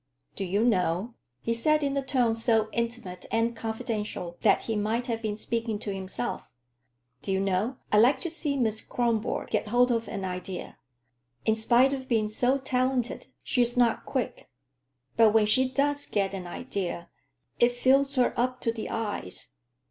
"Do you know," he said in a tone so intimate and confidential that he might have been speaking to himself,—"do you know, I like to see Miss Kronborg get hold of an idea. In spite of being so talented, she's not quick. But when she does get an idea, it fills her up to the eyes.